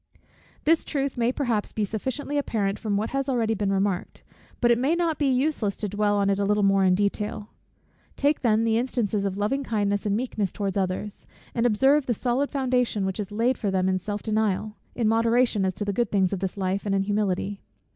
This truth may perhaps be sufficiently apparent from what has been already remarked; but it may not be useless to dwell on it a little more in detail. Take then the instances of loving kindness and meekness towards others; and observe the solid foundation which is laid for them in self denial, in moderation as to the good things of this life, and in humility.